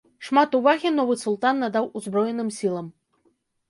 Шмат увагі новы султан надаў узброеным сілам.